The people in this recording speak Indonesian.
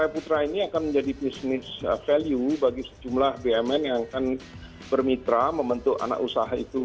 putra ini akan menjadi business value bagi sejumlah bumn yang akan bermitra membentuk anak usaha itu